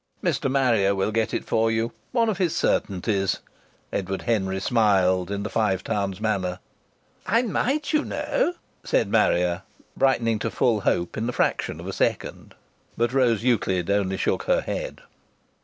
"Mr. Marrier will get it for you ... one of his certainties!" Edward Henry smiled in the Five Towns manner. "I might, you knaoo!" said Marrier, brightening to full hope in the fraction of a second. But Rose Euclid only shook her head.